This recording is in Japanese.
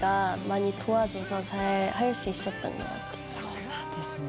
そうなんですね。